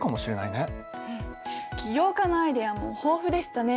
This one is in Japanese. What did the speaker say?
起業家のアイデアも豊富でしたね。